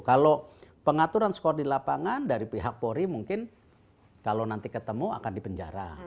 kalau pengaturan skor di lapangan dari pihak polri mungkin kalau nanti ketemu akan dipenjara